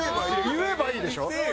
言えばいいでしょ？